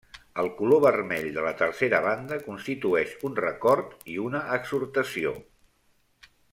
El color vermell de la tercera banda constitueix un record i una exhortació.